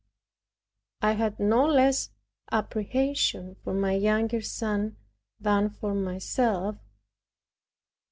I had no less apprehension for my younger son than for myself.